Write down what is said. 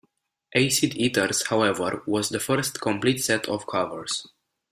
"Acid Eaters", however, was the first complete set of covers.